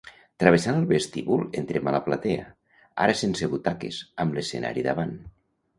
Travessant el vestíbul entrem a la platea, ara sense butaques, amb l'escenari davant.